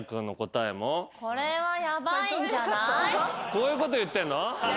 こういうこと言ってんの？